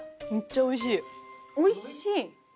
おいしい？